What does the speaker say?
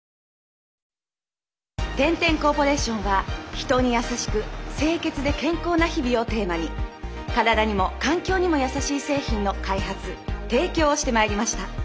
「天・天コーポレーションは人に優しく清潔で健康な日々をテーマに身体にも環境にも優しい製品の開発提供をしてまいりました」。